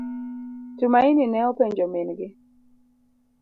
Tumaini ne openjo min gi.